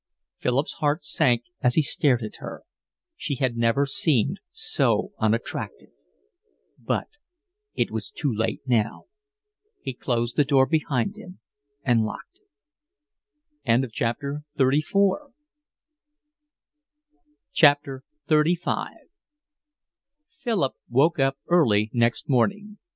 Philip's heart sank as he stared at her; she had never seemed so unattractive; but it was too late now. He closed the door behind him and locked it. XXXV Philip woke early next morning.